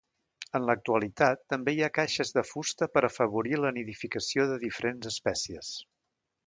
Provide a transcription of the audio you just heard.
En l'actualitat també hi ha caixes de fusta per afavorir la nidificació de diferents espècies.